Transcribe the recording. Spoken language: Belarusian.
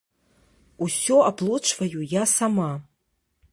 Усё аплочваю я сама.